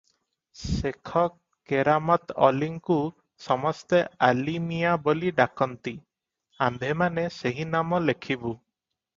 ସେଖ କେରାମତ୍ ଅଲିଙ୍କୁ ସମସ୍ତେ ଆଲିମିଆଁ ବୋଲି ଡାକନ୍ତି, ଆମ୍ଭେମାନେ ସେହି ନାମ ଲେଖିବୁ ।